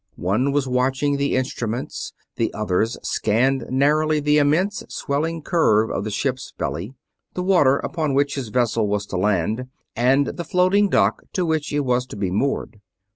One was watching the instruments, the others scanned narrowly the immense, swelling curve of the ship's belly, the water upon which his vessel was to land, and the floating dock to which it was to be moored.